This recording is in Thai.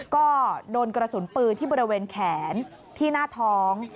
ก็โดนกระสุนปืนที่บริเวณแขนที่หน้าท้อง